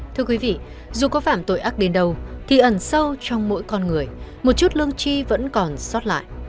thưa quý vị dù có phạm tội ác đến đâu thì ẩn sâu trong mỗi con người một chút lương chi vẫn còn sót lại